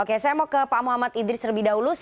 oke saya mau ke pak muhammad idris terlebih dahulu